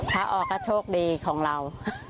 ถ้าออกก็โชคดีของเรา